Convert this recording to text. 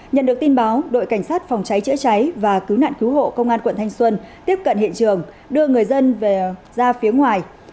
nhận được tin báo đội cảnh sát phòng cháy chữa cháy và cứu nạn cứu hộ công an quận thanh xuân tiếp cận hiện trường đưa người dân ra phía ngoài